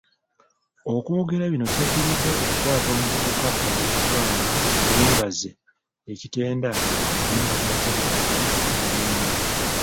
Okwogera bino kyadiridde okukwata omuvubuka amanyiddwa nga Mwebaze e Kitenda ne namba z'emmotoka kumi n'emu.